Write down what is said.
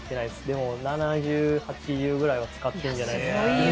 でも７０８０ぐらいは使ってるんじゃないかな。